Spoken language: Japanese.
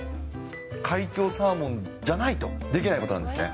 海峡サーモンじゃないとできないことなんですね。